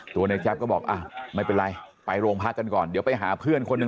ตัวในแจ๊บก็บอกไม่เป็นไรไปโรงพักกันก่อนเดี๋ยวไปหาเพื่อนคนหนึ่ง